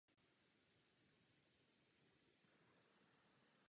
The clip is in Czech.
Fóra jsou místem pro živou diskuzi.